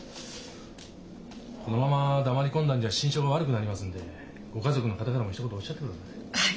このまま黙り込んだんじゃ心証が悪くなりますんでご家族の方からもひと言おっしゃってください。